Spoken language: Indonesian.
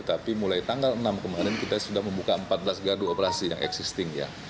tapi mulai tanggal enam kemarin kita sudah membuka empat belas gardu operasi yang existing ya